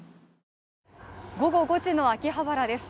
午後５時の秋葉原です。